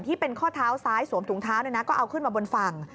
ที่เป็นข้อเท้าซ้ายสวมถุงเท้าก็เอาขึ้นมาบนฝั่ง